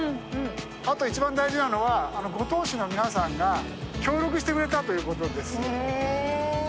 あと一番大事なのは五島市の皆さんが協力してくれたということです。